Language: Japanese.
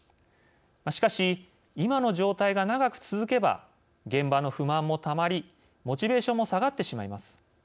しかし、今の状態が長く続けば現場の不満もたまりモチベーションも下がってしまいます。